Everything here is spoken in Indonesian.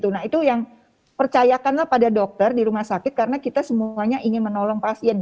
nah itu yang percayakanlah pada dokter di rumah sakit karena kita semuanya ingin menolong pasien